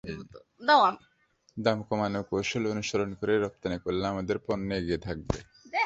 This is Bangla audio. দাম কমানোর কৌশল অনুসরণ করে রপ্তানি করলে আমাদের পণ্য এগিয়ে থাকবে।